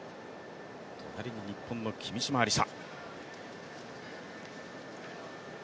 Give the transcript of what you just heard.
隣が日本の君嶋愛梨沙。